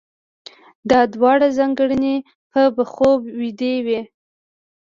دا دواړه ځانګړنې په خوب ويدې وي.